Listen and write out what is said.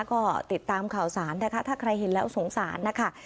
ก็ติดตามข่าวสารนะคะถ้าใครเห็นแล้วสงสารนะคะ